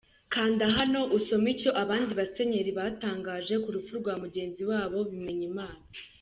Kanda hano usome icyo abandi basenyeri batangaje ku rupfu rwa mugenzi wabo Bimenyimana.